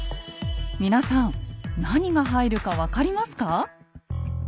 皆さん何が入るか分かりますか？